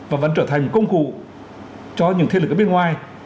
và vẫn trở thành công cụ cho những thế lực ở bên ngoài